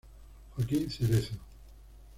Joaquín Cerezo